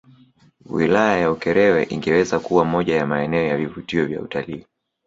Wilaya ya Ukerewe ingeweza kuwa moja ya maeneo ya vivutio vya utalii